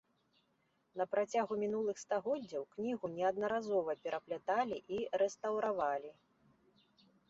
На працягу мінулых стагоддзяў кнігу неаднаразова перапляталі і рэстаўравалі.